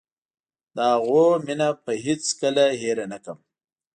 د هغوی مينه به هېڅ کله هېره نکړم.